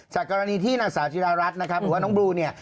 กรณีที่นางสาวจิรารัฐนะครับหรือว่าน้องบลูเนี่ย